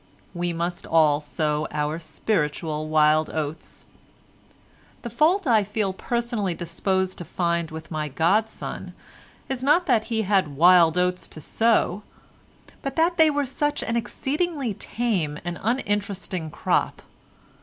We must all sow our spiritual wild oats. The fault I feel personally disposed to find with my godson is not that he had wild oats to sow, but that they were such an exceedingly tame and uninteresting crop.